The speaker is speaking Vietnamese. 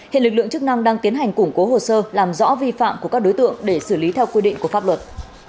hiện lực lượng chức năng đang tiến hành củng cố hồ sơ làm rõ vi phạm của các đối tượng để xử lý theo quy định của pháp luật